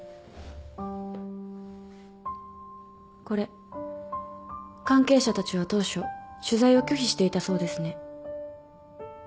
これ関係者たちは当初取材を拒否していたそうですね。